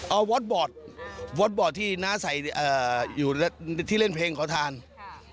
เอาที่น่าใส่เอ่ออยู่ที่เล่นเพลงเขาทานค่ะ